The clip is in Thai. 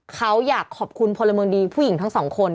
เขาอยากขอบคุณพลเมืองดีผู้หญิงทั้งสองคน